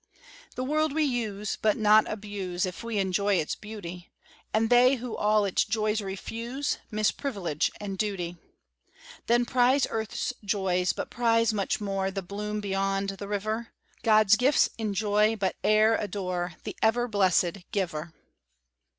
The world we use, but not abuse, If we enjoy its beauty; And they who all its joys refuse Miss privilege and duty. Then prize earth's joys, but prize much more The bloom beyond the river; God's gifts enjoy, but e'er adore The ever blessed Giver.